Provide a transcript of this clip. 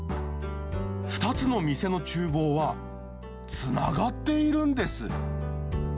２つの店のちゅう房は、つながっているんです。